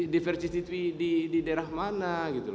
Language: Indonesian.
di vr cctv di daerah mana